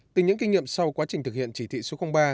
từ những kinh nghiệm sau quá trình thực hiện chỉ thị số ba